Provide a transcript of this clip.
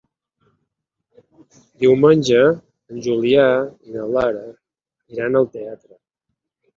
Diumenge en Julià i na Lara iran al teatre.